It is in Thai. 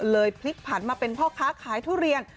พลิกผันมาเป็นพ่อค้าขายทุเรียน